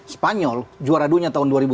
spanyol juara dunia tahun dua ribu sepuluh